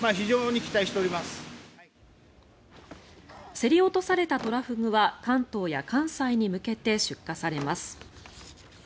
競り落とされたトラフグは関東や関西に向けて出荷されます。